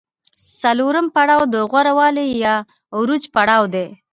څلورم پړاو د غوره والي یا عروج پړاو دی